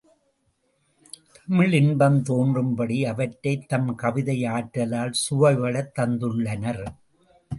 தமிழ் இன்பம் தோன்றும்படி அவற்றைத் தம் கவிதை யாற்றலால் சுவைபடத் தந்துள்ளனர்.